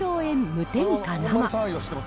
無添加生。